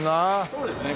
そうですね